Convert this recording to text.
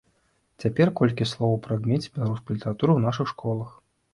Цяпер колькі слоў аб прадмеце беларускай літаратуры ў нашых школах.